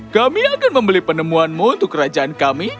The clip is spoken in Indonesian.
kami akan membeli penemuanmu untuk kerajaan kami